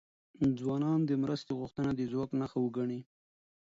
ځوانان د مرستې غوښتنه د ځواک نښه وګڼي.